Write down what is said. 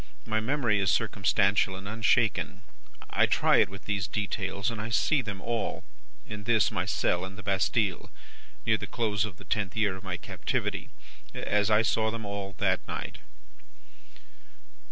My memory is circumstantial and unshaken. I try it with these details, and I see them all, in this my cell in the Bastille, near the close of the tenth year of my captivity, as I saw them all that night.